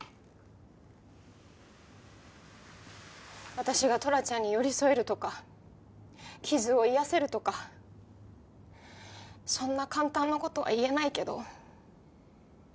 私がトラちゃんに寄り添えるとか傷を癒やせるとかそんな簡単な事は言えないけど。